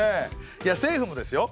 いや政府もですよ